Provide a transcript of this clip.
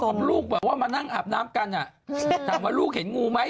พ่อของลูกมานั่งอาบน้ำกันถังว่าลูกเห็นงูไหม